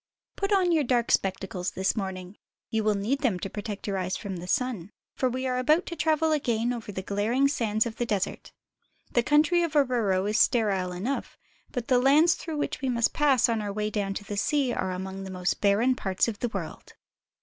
PUT on your dark spectacles this morning. You will need them to protect your eyes from the sun, for we are about to travel again over the glaring sands of the desert. The country about Oruro is sterile enough, but the lands through which we must pass on our way down to the sea are among the most barren parts of the world.